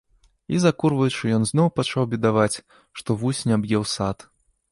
І, закурваючы, ён зноў пачаў бедаваць, што вусень аб'еў сад.